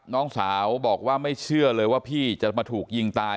น้องสาวบอกว่าไม่เชื่อเลยว่าพี่จะมาถูกยิงตาย